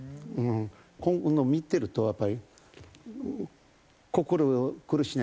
こういうのを見てるとやっぱり心が苦しいね。